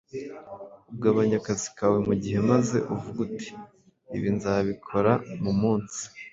ugabanya akazi kawe mu gihe maze uvuge uti: “Ibi nzabikora mu munsi